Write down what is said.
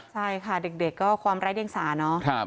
ใช่ค่ะเด็กก็ความไร้เดียงสาเนาะ